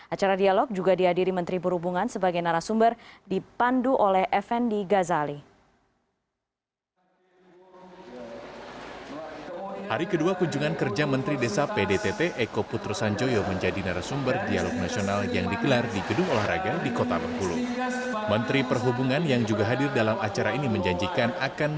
acara dialog juga dihadiri menteri perhubungan